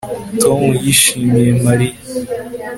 tom yishimiye mariya